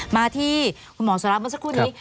มาที่คุณหมอสุรัสเมื่อสักครู่นี้